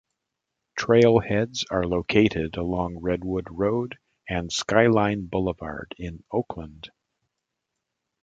Trailheads are located along Redwood Road and Skyline Boulevard in Oakland.